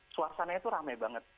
suara sana itu rame banget